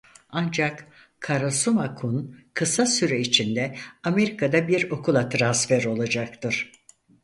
Ancak Karasuma-kun kısa süre içinde Amerika'da bir okula transfer olacaktır.